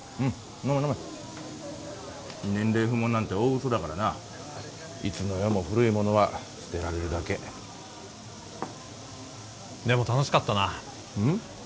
飲め飲め年齢不問なんて大嘘だからないつの世も古いものは捨てられるだけでも楽しかったなうん？